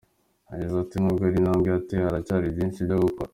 Yagize ati “ Nubwo hari intambwe yatewe, haracyari byinshi byo gukora.